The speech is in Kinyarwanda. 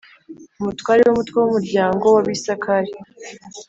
Umutware w umutwe w umuryango w Abisakari